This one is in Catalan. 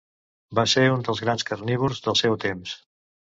Van ser un dels grans carnívors del seu temps.